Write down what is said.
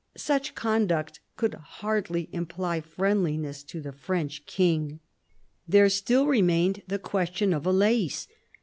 Such conduct could hardly imply friendliness to the French king. There still remained the question of Alais.